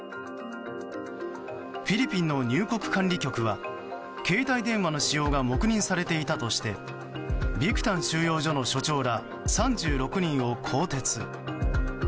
フィリピンの入国管理局は携帯電話の使用が黙認されていたとしてビクタン収容所の所長ら３６人を更迭。